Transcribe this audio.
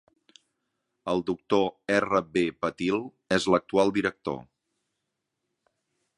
El doctor R. B. Patil és l'actual director.